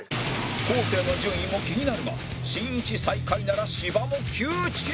昴生の順位も気になるがしんいち最下位なら芝も窮地に！